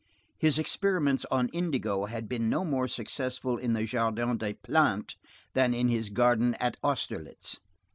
His experiments on indigo had been no more successful in the Jardin des Plantes than in his garden at Austerlitz.